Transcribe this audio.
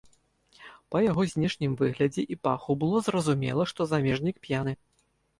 Па яго знешнім выглядзе і паху было зразумела, што замежнік п'яны.